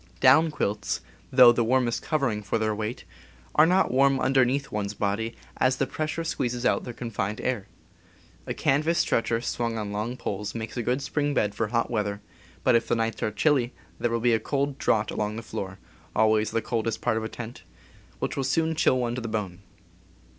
Down quilts, though the warmest covering for their weight, are not warm underneath one's body, as the pressure squeezes out their confined air. A canvas stretcher swung on long poles makes a good spring bed for hot weather; but if the nights are chilly there will be a cold draught along the floor (always the coldest part of a tent) which will soon chill one to the bone.